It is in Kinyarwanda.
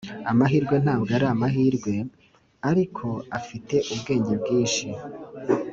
amahirwe ntabwo ari amahirwe - ariko afite ubwenge bwinshi.